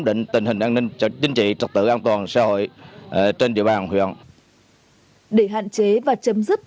để hạn chế và chấm dứt